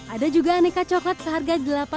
ada juga aneka coklat seharga